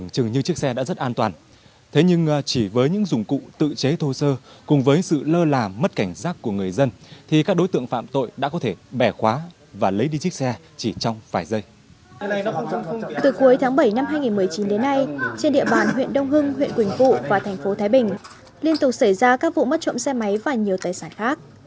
cuối tháng bảy năm hai nghìn một mươi chín đến nay trên địa bàn huyện đông hưng huyện quỳnh phụ và thành phố thái bình liên tục xảy ra các vụ mất trộm xe máy và nhiều tài sản khác